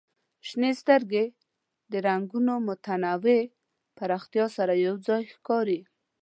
شنې سترګې د رنګونو متنوع پراختیا سره یو ځای ښکاري.